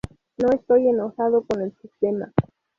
No estoy enojado con el sistema.